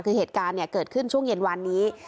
คือเหตุการณ์เกิดขึ้นช่วงเย็นวานนี้